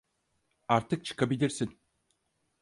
Artık çıkabilirsin.